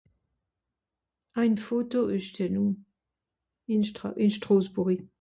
ein Photo üsstellen ìn stras ìn Stràsbùri